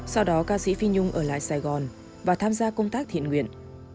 sau đó ca sĩ phi nhung ở lại sài gòn và tham gia công tác thiện nguyện